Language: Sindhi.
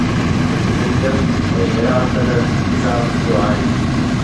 هڪ دلچسپ ۽ حيران ڪندڙ انڪشاف ٿيو آهي